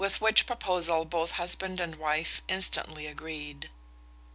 With which proposal both husband and wife instantly agreed.